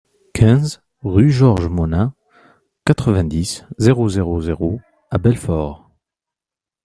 quinze rue Georges Monin, quatre-vingt-dix, zéro zéro zéro à Belfort